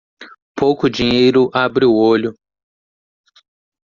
Pouco dinheiro abre o olho.